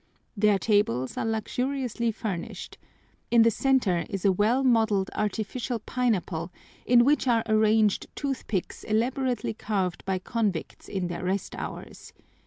Their tables are luxuriously furnished. In the center is a well modeled artificial pineapple in which are arranged toothpicks elaborately carved by convicts in their rest hours.